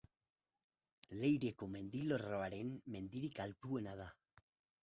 Leireko mendilerroaren mendirik altuena da.